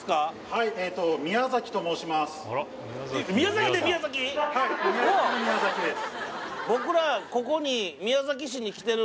はい宮崎の宮です